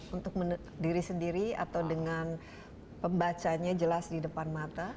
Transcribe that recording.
untuk diri sendiri atau dengan pembacanya jelas di depan mata